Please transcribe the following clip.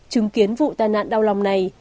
chứng kiến vụ tai nạn đau lòng này